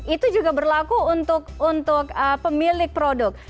itu juga berlaku untuk pemilik produk